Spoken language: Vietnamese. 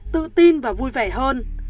tự tin và vui vẻ hơn